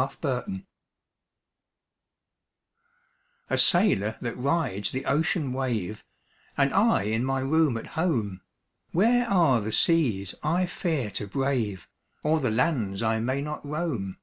THE SAILOR A sailor that rides the ocean wave, Am I in my room at home : Where are the seas I iear to brave. Or the lands I may not roam?